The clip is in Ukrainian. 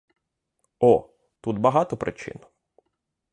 О, тут багато причин.